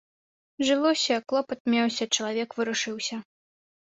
Жылося, клопат меўся, чалавек варушыўся.